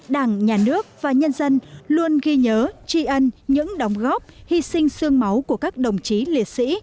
đảng nhà nước và nhân dân luôn ghi nhớ tri ân những đóng góp hy sinh sương máu của các đồng chí liệt sĩ